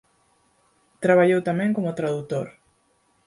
Traballou tamén como tradutor.